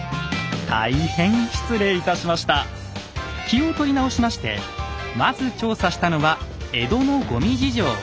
気を取り直しましてまず調査したのは江戸のごみ事情。